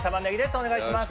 お願いします。